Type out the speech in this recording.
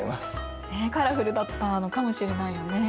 カラフルだったのかもしれないよね。